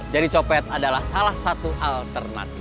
jadi copet adalah salah satu alternatif